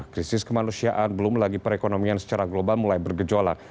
krisis kemanusiaan belum lagi perekonomian secara global mulai bergejolak